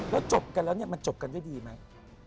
แล้วจบกันแล้วเนี่ยมันจบกันด้วยดีไหม